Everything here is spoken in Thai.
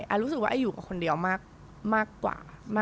รู้สึกว่าไออยู่กับคนเดียวมากกว่า